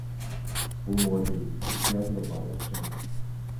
بۇ مودېل تۈركىيەدىلا بار ئوخشايدۇ.